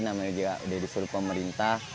namanya juga sudah disuruh pemerintah